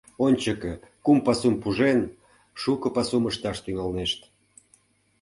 Ончыко, кум пасум пужен, шуко пасум ышташ тӱҥалнешт.